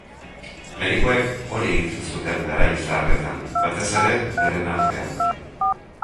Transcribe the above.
Medikuek hori egiten zuten garai zaharretan, batez ere beren artean.